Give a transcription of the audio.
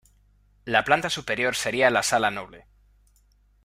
La planta superior sería la sala noble.